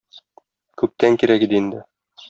Күптән кирәк иде инде.